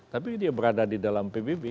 tapi dia berada di dalam pbb